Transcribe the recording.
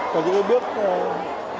tổng liên đoàn thì đang